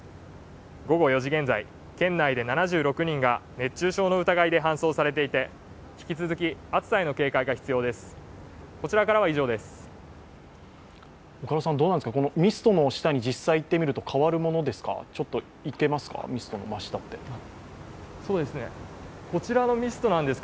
午後４時現在、県内で７６人が熱中症の疑いで搬送されていて引き続き、暑さへの警戒が必要です